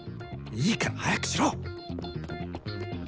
いいから早くしろ！